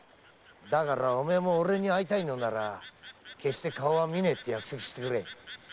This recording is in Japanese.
だからお前も俺に会いたいなら決して顔は見ないと約束してくれ。